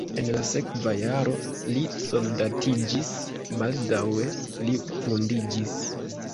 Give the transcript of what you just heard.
En la sekva jaro li soldatiĝis, baldaŭe li vundiĝis.